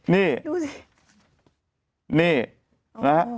นี่นะฮะ